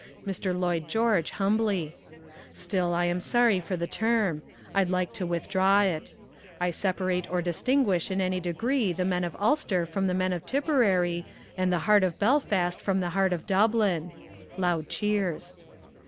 Mr. Lloyd George (humbly). "Still I am sorry for the term. I'd like to withdraw it. I separate or distinguish in any degree the men of Ulster from the men of Tipperary, and the heart of Belfast from the heart of Dublin." (Loud cheers.)